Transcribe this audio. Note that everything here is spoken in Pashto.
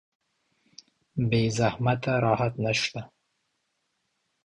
بې زحمت راحت نشته